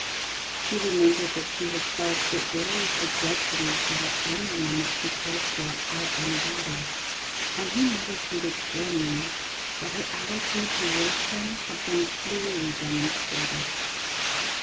He remembered that she had said that it worried her dreadfully to have any one that she cared for out on the water, and he meditated grimly that her attitude towards him had been clearly CLYDE MOORFIELD, YACHTSMAN. 53 demonstrated.